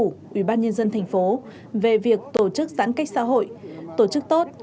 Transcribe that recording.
ủy ban nhân dân thành phố về việc tổ chức giãn cách xã hội tổ chức tốt